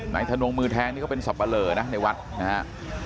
ทนงมือแทงนี่ก็เป็นสับปะเหลอนะในวัดนะฮะ